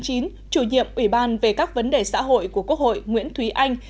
chủ nhiệm ủy ban về các vấn đề xã hội của quốc hội nguyễn thúy anh